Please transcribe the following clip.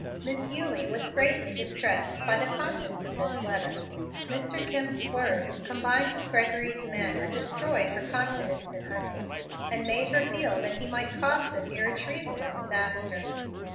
Miss Eulie was greatly distressed by the contents of this letter. Mr. Kemp's words, combined with Gregory's manner, destroyed her confidence in Hunting, and made her feel that he might cause them irretrievable disaster.